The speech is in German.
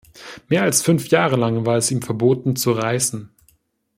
Mehr als fünf Jahre lang war es ihm verboten, zu reisen.